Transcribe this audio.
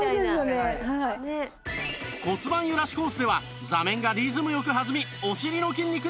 骨盤ゆらしコースでは座面がリズムよく弾みお尻の筋肉にアプローチ